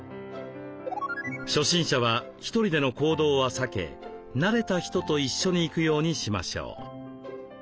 初心者は１人での行動は避け慣れた人と一緒に行くようにしましょう。